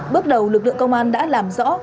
bước đầu lực lượng công an đã làm rõ